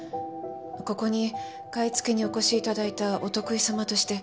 ここに買い付けにお越し頂いたお得意様として撮っただけです。